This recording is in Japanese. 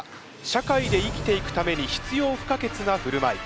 社会で生きていくために必要不可欠なふるまい。